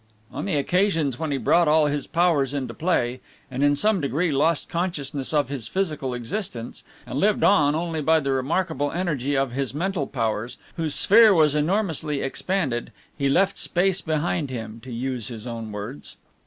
On the occasions when he brought all his powers into play, and in some degree lost consciousness of his physical existence, and lived on only by the remarkable energy of his mental powers, whose sphere was enormously expanded, he left space behind him, to use his own words.